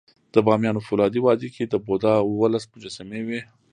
د بامیانو فولادي وادي کې د بودا اوولس مجسمې وې